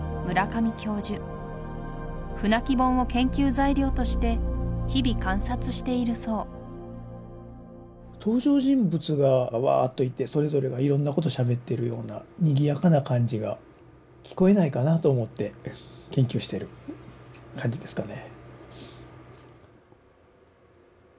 「舟木本」を研究材料として日々観察しているそう登場人物がわあっといてそれぞれがいろんなことしゃべってるようなにぎやかな感じが聞こえないかなと思って研究してる感じですかね。